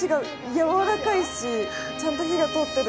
やわらかいしちゃんと火が通ってる。